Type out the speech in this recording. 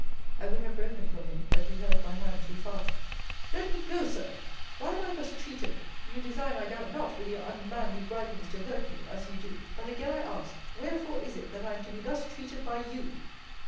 I would have broken from him; but he held my hand too fast. Let me go, Sir! Why am I thus treated? You design, I doubt not, with your unmanly gripings, to hurt me, as you do: But again I ask, wherefore is it that I am to be thus treated by you?